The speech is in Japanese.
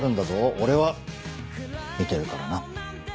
俺は見てるからな。